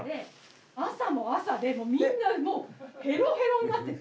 朝も朝でもうみんなもうヘロヘロになってて。